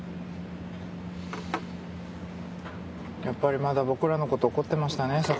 やっぱりまだ僕らのこと怒ってましたね